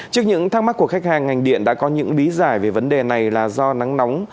trước những thắc mắc của khách hàng ngành điện đã có những lý giải về vấn đề này là do nắng nóng